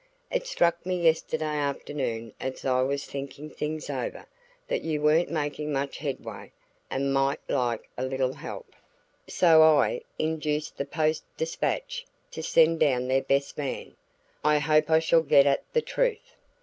It struck me yesterday afternoon as I was thinking things over that you weren't making much headway and might like a little help; so I induced the Post Dispatch to send down their best man. I hope I shall get at the truth."